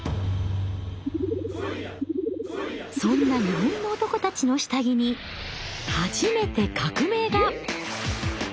そんな日本の男たちの下着に初めて革命が！